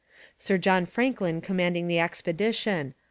Sir John Franklin commanding the expedition.